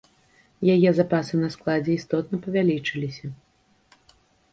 Яе запасы на складзе істотна павялічыліся.